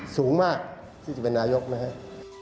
สูงมากที่จะเป็นนายกนะครับ